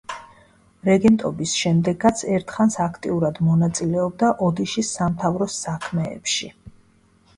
რეგენტობის შემდეგაც ერთხანს აქტიურად მონაწილეობდა ოდიშის სამთავროს საქმეებში.